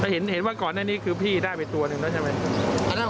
เห็นว่าก่อนหน้านี้คือพี่ได้ไปตัวหนึ่งแล้วใช่ไหม